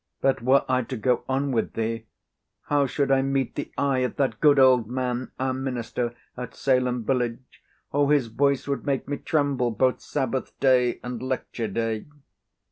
But, were I to go on with thee, how should I meet the eye of that good old man, our minister, at Salem village? Oh, his voice would make me tremble both Sabbath day and lecture day."